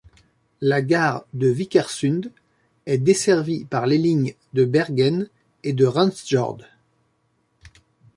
La gare de Vikersund est desservie par les lignes de Bergen et de Randsjord.